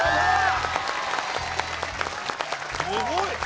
すごい。